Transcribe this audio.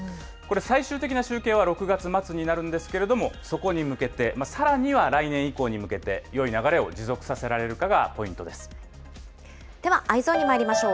最終的な集計は６月末になるんですけれども、そこに向けて、さらには来年以降に向けて、よい流れを持続させられるかがポインではＥｙｅｓｏｎにまいりましょう。